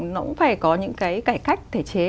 nó cũng phải có những cái cải cách thể chế